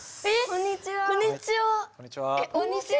こんにちは。